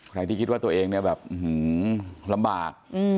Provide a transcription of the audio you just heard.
ใครที่คิดว่าตัวเองน่ะแบบหือรำบาก